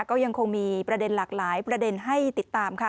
ก็ยังคงมีประเด็นหลากหลายประเด็นให้ติดตามค่ะ